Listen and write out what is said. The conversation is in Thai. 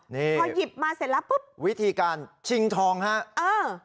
นี่พอหยิบมาเสร็จแล้วปุ๊บวิธีการชิงทองฮะเออ